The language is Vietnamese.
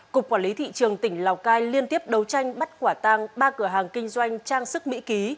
cục quản lý thị trường tỉnh lào cai liên tiếp đấu tranh bắt quả tang ba cửa hàng kinh doanh trang sức mỹ ký